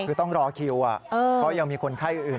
คือต้องรอคิวเพราะยังมีคนไข้อื่น